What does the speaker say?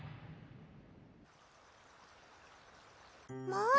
もう！